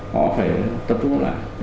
họ phải tập trung lại